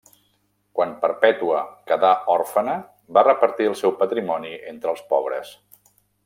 Quan Perpètua quedà òrfena va repartir el seu patrimoni entre els pobres.